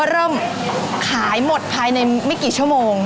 เริ่มขายหมดภายในไม่กี่ชั่วโมง